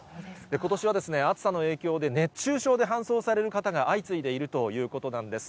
ことしは暑さの影響で、熱中症で搬送される方が相次いでいるということなんです。